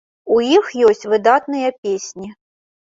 У іх ёсць выдатныя песні!